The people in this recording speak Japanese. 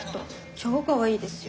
超かわいいですよ。